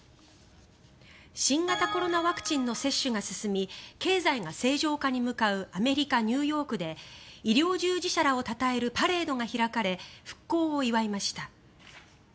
新型コロナワクチンの接種が進み経済が正常化に向かうアメリカ・ニューヨークで医療従事者らをたたえるパレードが開かれ復興を祝いました。